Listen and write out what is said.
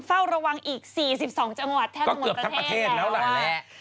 เฝ้าระวังอีกสี่สิบสองจังหวัดแทบทั้งหมดประเทศแหละว่าก็เกือบทั้งประเทศแล้วแหละ